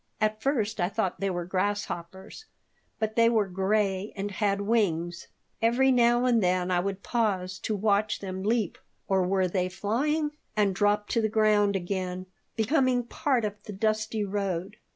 At first I thought they were grasshoppers, but they were gray and had wings. Every now and then I would pause to watch them leap (or were they flying?) and drop to the ground again, becoming part of the dusty road.